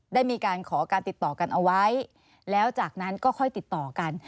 ได้มีการขอการติดต่อกันเอาไว้แล้วจากนั้นก็ค่อยติดต่อกัน